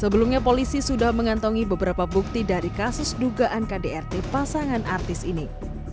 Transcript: sebelumnya polisi sudah mengantongi beberapa bukti dari kasus dugaan kdrt pasangan artis ini